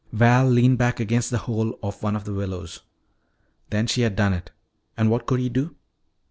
Val leaned back against the hole of one of the willows. Then she had done it! And what could he do?